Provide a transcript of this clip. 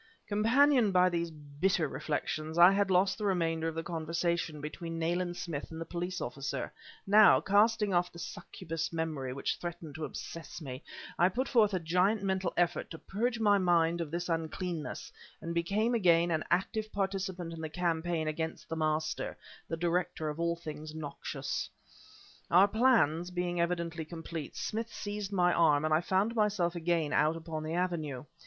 Companioned by these bitter reflections, I had lost the remainder of the conversation between Nayland Smith and the police officer; now, casting off the succubus memory which threatened to obsess me, I put forth a giant mental effort to purge my mind of this uncleanness, and became again an active participant in the campaign against the Master the director of all things noxious. Our plans being evidently complete, Smith seized my arm, and I found myself again out upon the avenue.